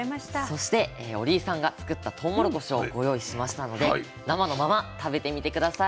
そして折井さんが作ったとうもろこしをご用意しましたので生のまま食べてみて下さい。